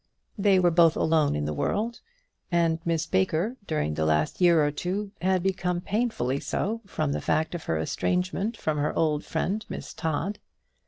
They were both alone in the world, and Miss Baker during the last year or two had become painfully so from the fact of her estrangement from her old friend Miss Todd.